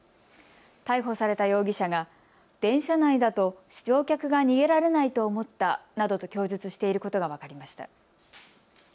逮捕された容疑者が電車内だと乗客が逃げられないと思ったなどと供述していることが分かりました。